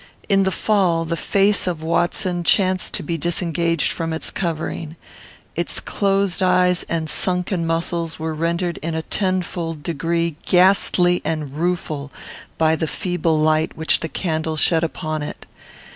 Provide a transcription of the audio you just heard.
In the fall, the face of Watson chanced to be disengaged from its covering. Its closed eyes and sunken muscles were rendered in a tenfold degree ghastly and rueful by the feeble light which the candle shed upon it.